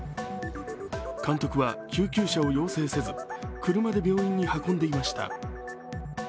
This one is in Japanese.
監督は救急車を要請せず、車で病院に運んでいました。